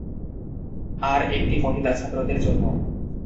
আর একটি মহিলা ছাত্রদের জন্য।